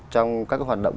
trong các hoạt động